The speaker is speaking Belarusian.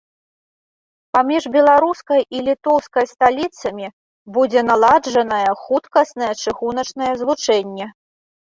Паміж беларускай і літоўскай сталіцамі будзе наладжанае хуткаснае чыгуначнае злучэнне.